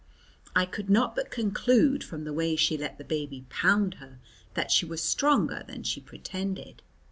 I could not but conclude from the way she let the baby pound her that she was stronger than she pretended.